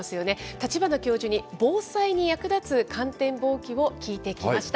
立花教授に防災に役立つ観天望気を聞いてきました。